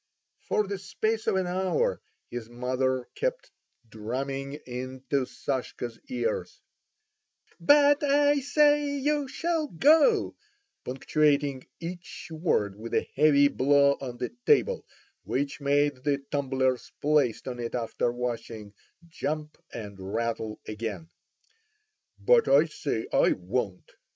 For the space of an hour his mother kept drumming into Sashka's ears: "But I say you shall go," punctuating each word with a heavy blow on the table, which made the tumblers, placed on it after washing, jump and rattle again. "But I say I won't!"